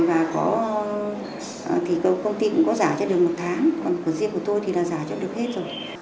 và có thì công ty cũng có giả cho được một tháng còn của riêng của tôi thì là giả cho được hết rồi